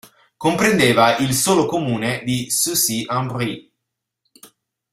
Comprendeva il solo comune di Sucy-en-Brie.